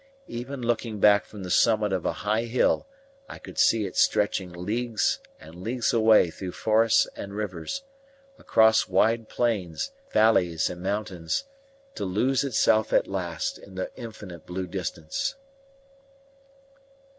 Even looking back from the summit of a high hill I could see it stretching leagues and leagues away through forests and rivers, across wide plains, valleys and mountains, to lose itself at last in the infinite blue distance.